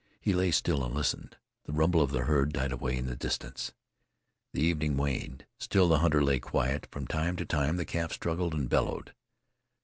He lay still and listened. The rumble of the herd died away in the distance. The evening waned. Still the hunter lay quiet. From time to time the calf struggled and bellowed.